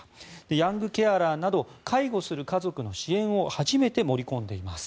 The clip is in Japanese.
ヤングケアラーなど介護する家族の支援を初めて盛り込んでいます。